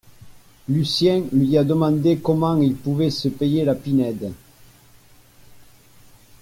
Lucien lui a demandé comment il pouvait se payer la Pinède